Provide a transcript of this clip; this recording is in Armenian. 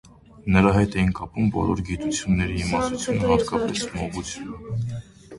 Նրա հետ էին կապում բոլոր գիտությունների իմացությունը, հատկապես մոգությունը։